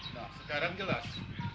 nah sekarang jelas